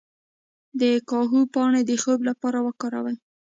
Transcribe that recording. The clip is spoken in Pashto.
د کاهو پاڼې د خوب لپاره وکاروئ